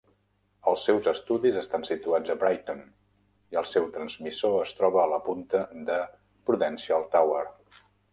Els seus estudis estan situats a Brighton i el seu transmissor es troba a la punta de Prudential Tower.